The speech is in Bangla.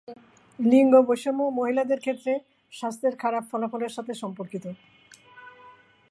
লিঙ্গ বৈষম্য, মহিলাদের ক্ষেত্রে স্বাস্থ্যের খারাপ ফলাফলের সাথে সম্পর্কিত।